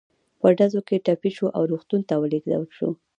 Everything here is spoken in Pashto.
په ډزو کې ټپي شو او روغتون ته ولېږدول شو.